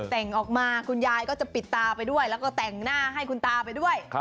แต่งออกมาคุณยายก็จะปิดตาไปด้วยแล้วก็แต่งหน้าให้คุณตาไปด้วย